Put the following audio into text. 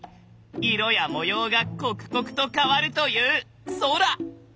色や模様が刻々と変わるという空！